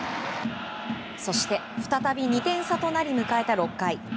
そして再び２点差となり迎えた６回。